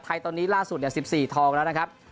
ตอนนี้ล่าสุด๑๔ทองแล้วนะครับ